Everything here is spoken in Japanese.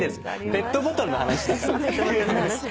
ペットボトルの話だから。